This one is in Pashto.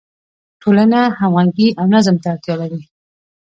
ټولنه همغږي او نظم ته اړتیا لري.